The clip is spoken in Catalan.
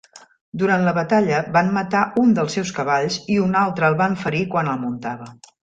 Durant la batalla van matar un dels seus cavalls i un altre el van ferir quan el muntava.